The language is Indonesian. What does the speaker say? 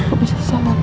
aku bisa jalan kak